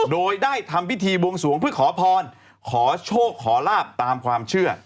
โดยได้ทำพิธีบวงสวงเพื่อขอพรขอโชคขอลาบตามความเชื่อ